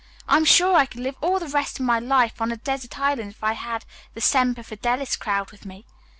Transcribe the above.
I am sure I could live all the rest of my life on a desert island if I had the Semper Fidelis crowd with me.